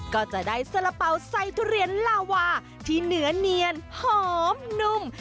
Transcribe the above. ก็จะได้สละเป๋าใส่ทุเรียนลาวาที่เนื้อเนียนหอมนุ่ม